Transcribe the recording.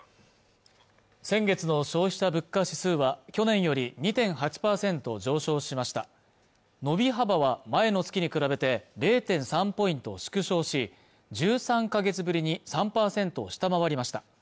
先月の消費者物価指数は去年より２．８％上昇しました伸び幅は前の月に比べて０．３ポイント縮小し１３か月ぶりに３％を下回りました